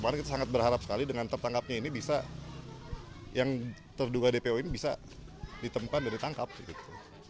karena kita sangat berharap sekali dengan tertangkapnya ini bisa yang terduga dpo ini bisa ditemukan dan ditangkap gitu